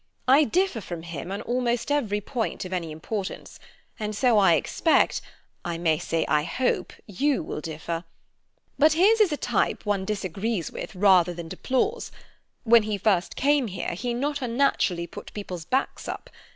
I differ from him on almost every point of any importance, and so, I expect—I may say I hope—you will differ. But his is a type one disagrees with rather than deplores. When he first came here he not unnaturally put people's backs up.